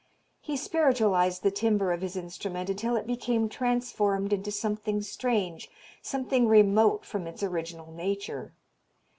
He spiritualized the timbre of his instrument until it became transformed into something strange, something remote from its original nature.